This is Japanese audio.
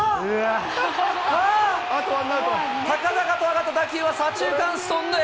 高々と上がった打球は、左中間スタンドへ。